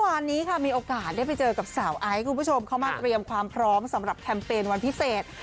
วันนี้ค่ะมีโอกาสได้ไปเจอกับสาวไอซ์คุณผู้ชมเข้ามาเตรียมความพร้อมสำหรับแคมเปญวันพิเศษ